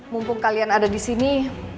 mumpung kalian ada disini